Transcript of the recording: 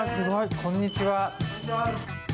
こんにちは。